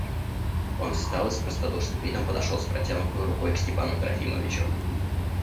Он встал и с простодушным видом подошел с протянутою рукой к Степану Трофимовичу.